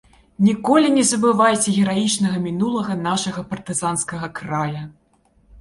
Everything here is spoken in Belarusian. Ніколі не забывайце гераічнага мінулага нашага партызанскага края!